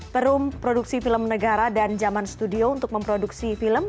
perum produksi film negara dan zaman studio untuk memproduksi film